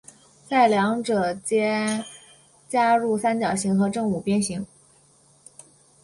在两者间加入三角形和正五边形。